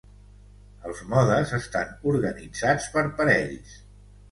Els modes estan organitzats per parells.